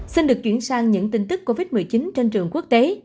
xin được chuyển sang những tin tức covid một mươi chín trên trường quốc tế